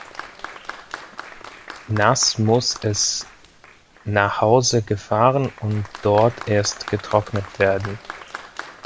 Naß muß es nach Hause gefahren und dort erst getrocknet werden.